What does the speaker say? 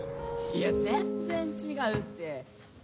・いや全然違うって。